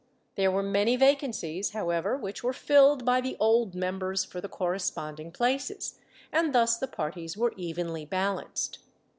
There were many vacancies, however, which were filled by the old members for the corresponding places, and thus the parties were evenly balanced.